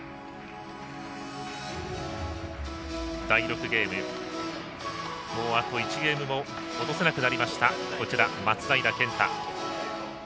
第６ゲーム、もうあと１ゲームも落とせなくなりました松平健太。